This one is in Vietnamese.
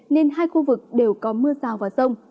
nên hai khu vực đều có mưa rào và rông